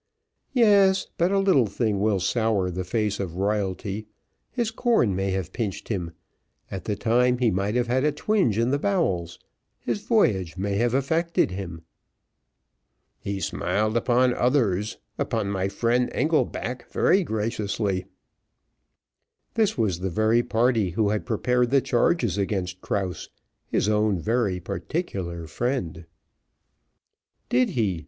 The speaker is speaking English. "Yes, but a little thing will sour the face of royalty, his corn may have pinched him, at the time he might have had a twinge in the bowels his voyage may have affected him." "He smiled upon others, upon my friend, Engelback, very graciously." This was the very party who had prepared the charges against Krause his own very particular friend. "Did he?"